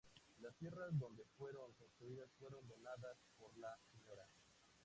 Las tierras donde fueron construidas fueron donadas por La Sra.